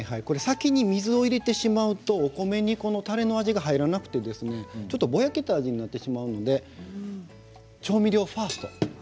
先に水を入れてしまうとお米にこのたれの味が入らなくてちょっとぼやけた味になってしまうので調味料ファースト。